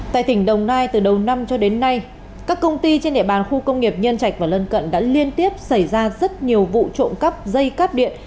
tại tỉnh đồng nai từ đầu năm cho đến nay các công ty trên địa bàn khu công nghiệp nhân trạch và lân cận đã liên tiếp xảy ra rất nhiều vụ trộm cắp dây cắp điện